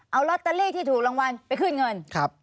เอาลอตเตอรี่ที่ถูกรางวัลไปขึ้นเงิน